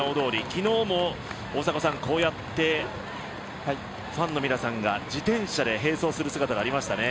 昨日もこうやってファンの皆さんが自転車で併走する姿がありましたね。